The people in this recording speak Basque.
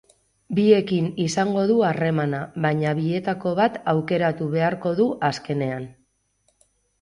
Biekin izango du harremana, baina bietako bat aukeratu beharko du azkenean.